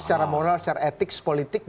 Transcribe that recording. secara moral secara etik politik